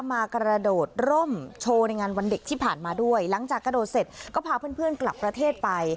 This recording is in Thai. มากระโดดร่มโชว์ในงานวันเด็กที่ผ่านมาด้วยหลังจากกระโดดเสร็จก็พาเพื่อนเพื่อนกลับประเทศไป